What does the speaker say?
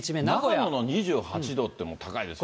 長野が２８度って高いですね。